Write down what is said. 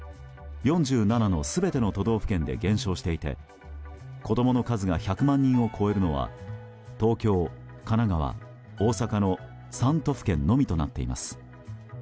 ４７の全ての都道府県で減少していて子供の数が１００万人を超えるのは東京、神奈川、大阪の３都府県のみとなっています。